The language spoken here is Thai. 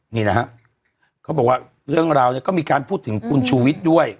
นี่นะฮะเขาบอกว่าเรื่องราวเนี่ยก็มีการพูดถึงคุณชูวิทย์ด้วย